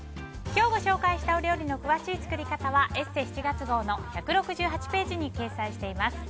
今日ご紹介したお料理の詳しい作り方は「ＥＳＳＥ」７月号の１６８ページに掲載しています。